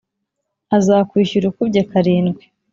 azakwishyura ukubye karindwi.